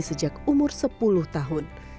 sejak umur sepuluh tahun